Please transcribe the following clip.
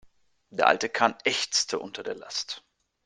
Der alte Kahn ächzte unter der Last.